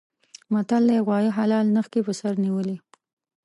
متل دی: غوایه حلال نه نښکي په سر نیولي.